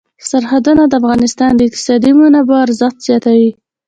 سرحدونه د افغانستان د اقتصادي منابعو ارزښت زیاتوي.